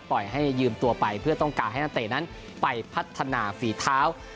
ให้ยืมตัวไปเพื่อต้องการให้นักเตะนั้นไปพัฒนาฝีเท้า